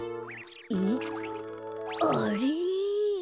えっあれ？